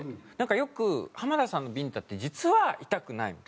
よく浜田さんのビンタって実は痛くないみたいな。